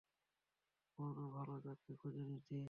কোন ভালো চাকরি খুঁজে নিতি?